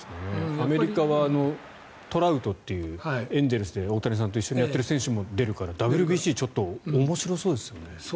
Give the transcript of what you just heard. アメリカはトラウトというエンゼルスで大谷さんと一緒にやっている選手も出るからＷＢＣちょっと面白そうですよね。